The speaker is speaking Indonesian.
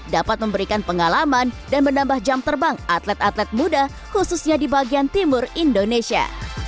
dapat memberikan pengalaman dan menambah jam terbang atlet atlet muda khususnya di bagian timur indonesia